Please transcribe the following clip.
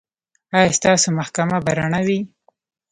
ایا ستاسو محکمه به رڼه وي؟